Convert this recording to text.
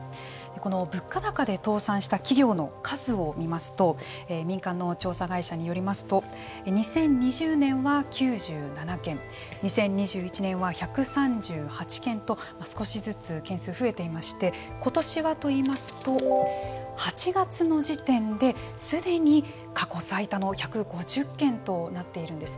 この物価高で倒産した企業の数を見ますと民間の調査会社よりますと２０２０年は９７件２０２１年は１３８件と少しずつ件数が増えていまして今年はといいますと８月の時点ですでに過去最多の１５０件となっているんです。